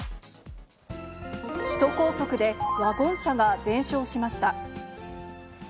首都高速でワゴン車が全焼しました。